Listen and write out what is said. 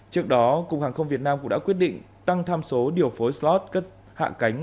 trước đó cục hàng không việt nam cũng đã quyết định tăng tham số điều phối slot cất hạ cánh